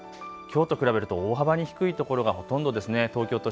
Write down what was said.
きょうと比べると大幅に低いところがほとんどですね。